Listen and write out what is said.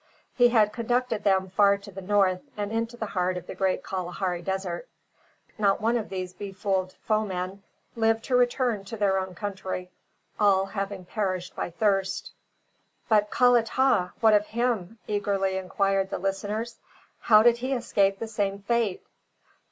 He had conducted them far to the north, and into the heart of the great Kalahari desert. Not one of these befooled foemen lived to return to their own country, all having perished by thirst. "But Kalatah! what of him?" eagerly inquired the listeners. "How did he escape the same fate?"